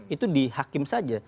itu di hakim saja